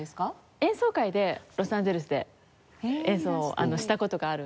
演奏会でロサンゼルスで演奏をした事があるんですけど。